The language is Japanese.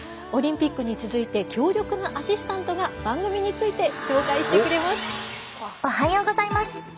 オリンピックに続いて強力なアシスタントが番組について紹介してくれます。